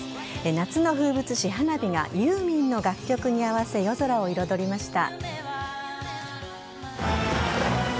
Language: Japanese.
夏の風物詩・花火がユーミンの楽曲に合わせ夜空を彩りました。